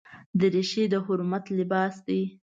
دریشي د حرمت لباس دی.